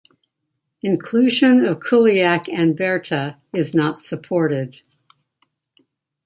Inclusion of Kuliak and Berta is not supported.